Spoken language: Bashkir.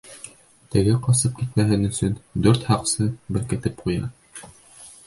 Теге ҡасып китмәһен өсөн, дүрт һаҡсы беркетеп ҡуя.